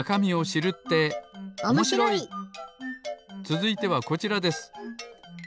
つづいてはこちらです。